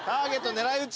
狙い撃ち！